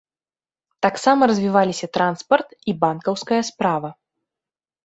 Таксама развіваліся транспарт і банкаўская справа.